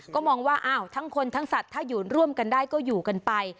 ก็มองว่าอ้าวทั้งคนทั้งสัตว์ถ้าอยู่ร่วมกันได้ก็อยู่กันไป